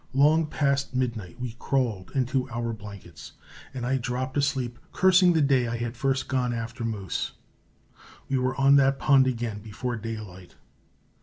Long past midnight we crawled into our blankets, and I dropped asleep cursing the day I had first gone after moose. We were on that pond again before daylight.